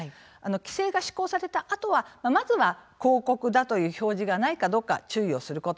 規制が施行されたあとはまずは広告だという表示がないかどうか注意をすること。